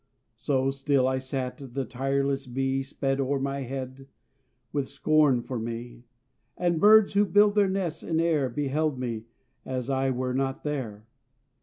So still I sat, the tireless bee Sped o'er my head, with scorn for me, And birds who build their nests in air Beheld me, as I were not there.